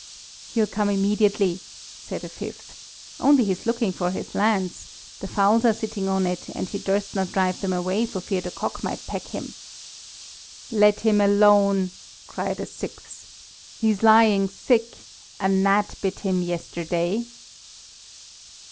"He'll come immediately," said a fifth, "only he's looking for his lance; the fowls are sitting on it, and he durst not drive them away for fear the cock might peck him." "Let him alone," cried a sixth, "he's lying sick; a gnat bit him yesterday."